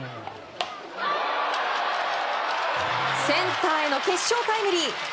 センターへの決勝タイムリー。